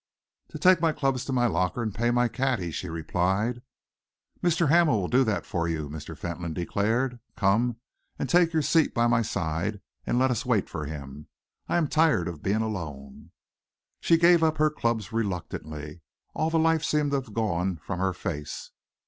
"To take my clubs to my locker and pay my caddy," she replied. "Mr. Hamel will do that for you," Mr. Fentolin declared. "Come and take your seat by my side, and let us wait for him. I am tired of being alone." She gave up her clubs reluctantly. All the life seemed to have gone from her face.